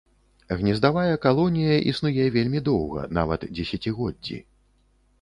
Гнездавая калонія існуе вельмі доўга нават дзесяцігоддзі.